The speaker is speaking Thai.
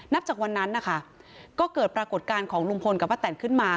จากวันนั้นนะคะก็เกิดปรากฏการณ์ของลุงพลกับป้าแตนขึ้นมา